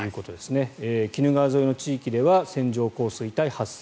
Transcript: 鬼怒川沿いの地域では線状降水帯が発生